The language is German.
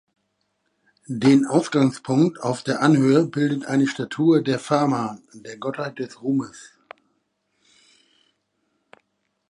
Den Ausgangspunkt auf der Anhöhe bildet eine Statue der Fama, der Gottheit des Ruhmes.